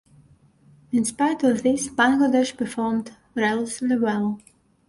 In spite of this, Bangladesh performed relatively well.